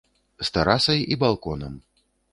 З тэрасай і балконам.